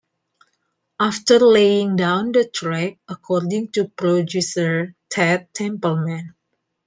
After laying down the track, according to producer Ted Templeman.